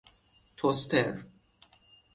توستر